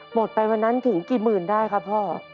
หมดไปวันนั้นถึงกี่หมื่นได้ครับพ่อ